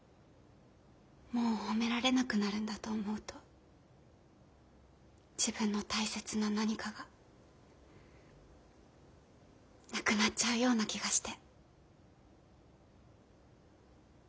もう褒められなくなるんだと思うと自分の大切な何かがなくなっちゃうような気がして。